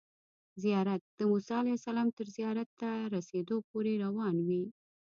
زیارت د موسی علیه السلام تر زیارت ته رسیدو پورې روان وي.